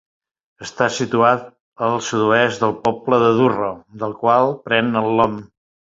Està situat al sud-oest del poble de Durro, del qual pren el nom.